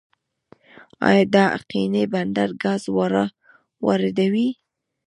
آیا د اقینې بندر ګاز واردوي؟